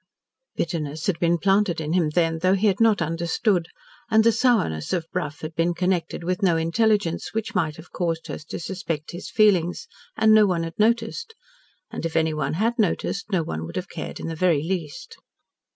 Bitterness had been planted in him then, though he had not understood, and the sourness of Brough had been connected with no intelligence which might have caused her to suspect his feelings, and no one had noticed, and if anyone had noticed, no one would have cared in the very least.